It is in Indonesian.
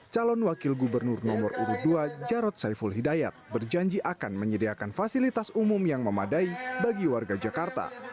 calon wakil gubernur nomor urut dua jarod saiful hidayat berjanji akan menyediakan fasilitas umum yang memadai bagi warga jakarta